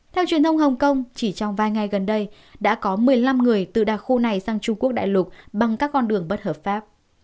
theo truyền thông hồng kông chỉ trong vài ngày gần đây đã có một mươi năm người từ đặc khu này sang trung quốc đại lục bằng các con đường bất hợp pháp